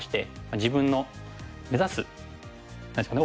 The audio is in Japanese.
自分の目指す何ですかね